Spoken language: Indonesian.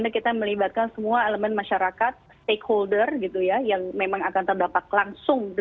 dan di dalam situ sebetulnya kita harus memperhatikan semua perubahan yang ada